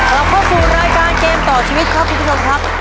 กลับเข้าสู่รายการเกมต่อชีวิตครับคุณผู้ชมครับ